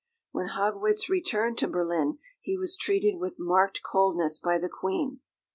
When Haugwitz returned to Berlin he was treated with marked coldness by the Queen.